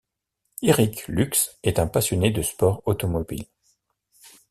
Eric Lux est un passionné de sport automobile.